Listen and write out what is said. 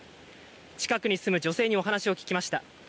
近くに住む女性に話を聞きました。